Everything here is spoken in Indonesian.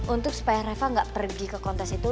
untuk supaya reva gak pergi ke kontes itu